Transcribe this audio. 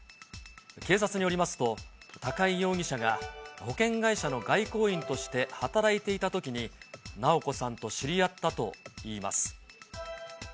警察によりますと、高井容疑者が保険会社の外交員として働いていたときに直子さんと知り合ったといいます。